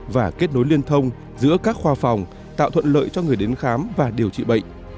và kết nối liên thông giữa các khoa phòng tạo thuận lợi cho người đến khám và điều trị bệnh